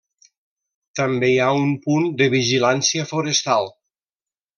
També hi ha un punt de vigilància forestal.